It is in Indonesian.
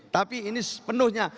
tapi ini penuhnya